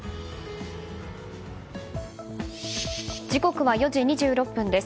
時刻は４時２６分です。